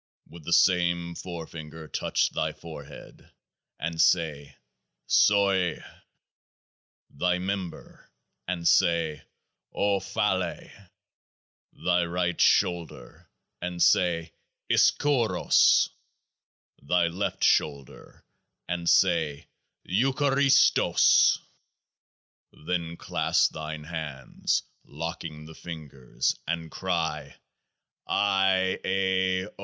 With the same forefinger touch thy forehead, and say COI, thy member, and say Q<t>AAAE, 14 thy right shoulder, and say ICXYPOC, thy left shoulder, and say EYXAPICTOC ; then clasp thine hands, locking the fingers, and cry IAQ.